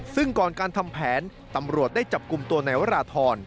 ซึ่งก่อนการทำแผนตำรวจได้จับกลุ่มตัวนายวราธร